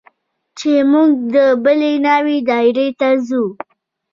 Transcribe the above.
چې موږ د بلې ناوې دايرې ته ځو.